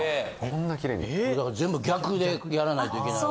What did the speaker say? これだから全部逆でやらないといけない。